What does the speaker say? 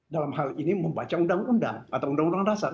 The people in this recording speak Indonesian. dalam hal ini membaca undang undang atau undang undang dasar